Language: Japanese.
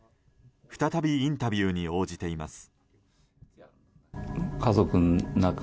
再びインタビューに応じています。